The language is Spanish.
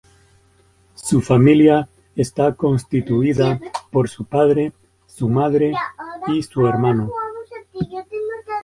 Su familia está constituida por su padre, su madre y su hermano.